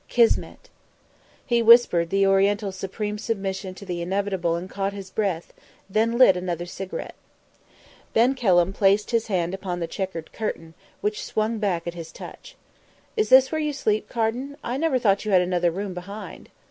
"Kismet!" He whispered the Oriental's supreme submission to the inevitable and caught his breath, then lit another cigarette. Ben Kelham placed his hand upon the chequered curtain, which swung back at his touch. "Is this where you sleep, Carden? I never thought you had another room behind."